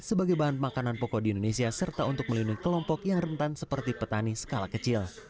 sebagai bahan makanan pokok di indonesia serta untuk melindungi kelompok yang rentan seperti petani skala kecil